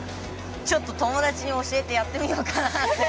友達に教えてやってみようかなって。